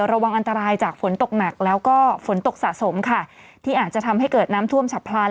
ระวังอันตรายจากฝนตกหนักแล้วก็ฝนตกสะสมค่ะที่อาจจะทำให้เกิดน้ำท่วมฉับพลัน